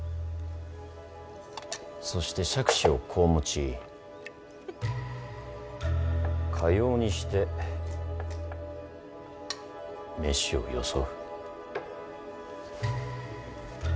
そして杓子をこう持ちかようにして飯をよそう。